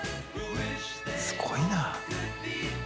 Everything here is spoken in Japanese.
すごいな。